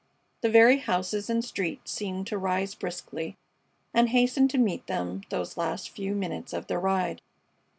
The very houses and streets seemed to rise briskly and hasten to meet them those last few minutes of their ride.